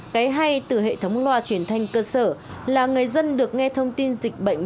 cái hay từ hệ thống loa truyền thanh cơ sở là người dân được nghe thông tin dịch bệnh